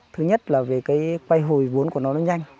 thứ nhất là về cái quay hồi vốn của nó nó nhanh